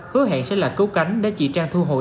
hứa hẹn sẽ là cấu cánh để chị trang thu hồi